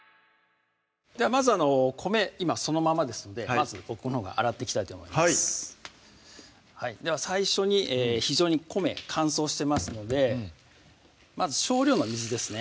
ではまず米今そのままですのでまず僕のほうが洗っていきたいと思いますでは最初に非常に米乾燥してますのでまず少量の水ですね